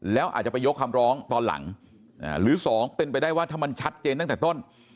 แล้วอาจจะไปยกคำร้องตอนหลังหรือ๒เป็นไปได้ว่าถ้ามันชัดเจนตั้งแต่ต้น